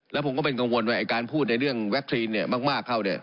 แล้วผมก็เป็นกังวลว่าการพูดในเรื่องวัคซีนมากเข้าเนี่ย